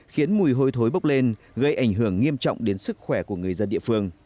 khiến mùi hôi thối bốc lên gây ảnh hưởng nghiêm trọng đến sức khỏe của người dân địa phương